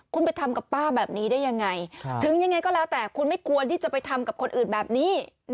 คุณไปทำกับป้าแบบนี้ได้ยังไงถึงยังไงก็แล้วแต่คุณไม่ควรที่จะไปทำกับคนอื่นแบบนี้